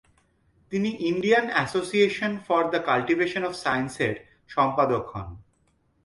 তিনি Indian association for the cultivation of সায়েন্সের সম্পাদক হন।